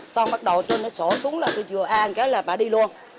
xong bắt đầu tôi nó xổ xuống là tôi vừa an cái là bà đi luôn